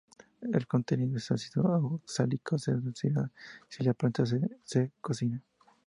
El contenido en ácido oxálico se reducirá si la planta se cocina.